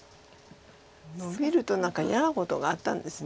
ノビると何か嫌なことがあったんです。